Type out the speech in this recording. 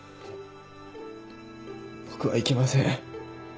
僕は行きません。